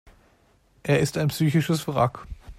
Er ist ein psychisches Wrack.